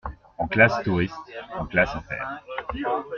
En classe touriste, en classe affaires…